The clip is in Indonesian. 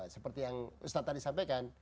seperti yang ustadz tadi sampaikan